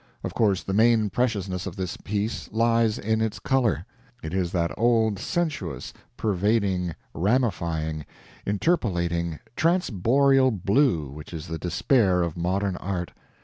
Of course the main preciousness of this piece lies in its color; it is that old sensuous, pervading, ramifying, interpolating, transboreal blue which is the despair of modern art.